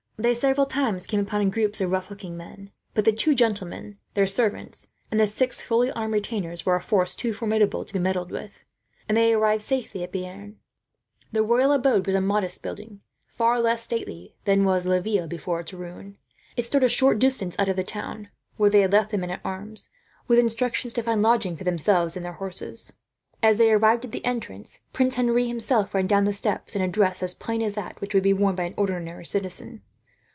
They several times came upon groups of rough looking men; but the two gentlemen, their servants, and the six fully armed retainers were a force too formidable to be meddled with, and they arrived safely at Bearn. The royal abode was a modest building, far less stately than was Laville, before its ruin. It stood a short distance out of the town, where they had left the men at arms, with instructions to find lodgings for themselves and their horses. As they arrived at the entrance, Prince Henri himself ran down the steps, in a dress as plain as that which would be worn by an ordinary citizen.